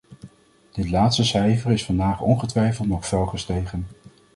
Dit laatst cijfer is vandaag ongetwijfeld nog fel gestegen.